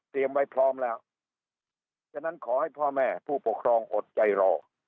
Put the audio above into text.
ไว้พร้อมแล้วฉะนั้นขอให้พ่อแม่ผู้ปกครองอดใจรอ